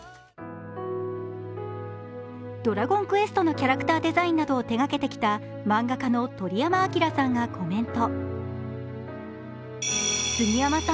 「ドラゴンクエスト」のキャラクターデザインなどを手がけてきた、漫画家の鳥山明さんがコメント。